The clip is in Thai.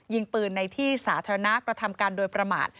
ยิงปืนในที่สาธารณะกระทำการโดยประมาท